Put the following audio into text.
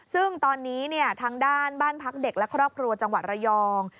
ซึ่งตอนนี้ทางด้านบ้านพักเด็กและครอบครัวจังหวัดระยอง